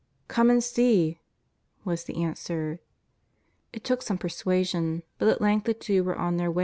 " Come and see," was the answer. It took some per suasion, but at length the two were on their way to our PUT]:,i ■ P.